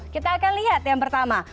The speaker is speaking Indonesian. kita akan lihat yang pertama